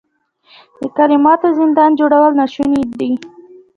د کلماتو زندان جوړول ناشوني دي.